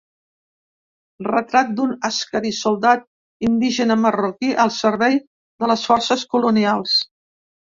Retrat d'un àscari, soldat indígena marroquí al servei de les forces colonials.